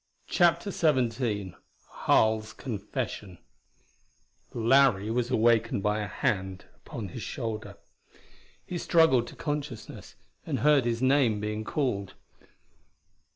CHAPTER XVII Harl's Confession Larry was awakened by a hand upon his shoulder. He struggled to consciousness, and heard his name being called.